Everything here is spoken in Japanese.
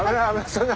そんな。